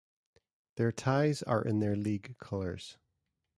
Their ties are in their league colours.